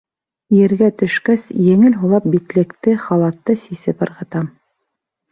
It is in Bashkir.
Ергә төшкәс, еңел һулап, битлекте, халатты сисеп ырғытам.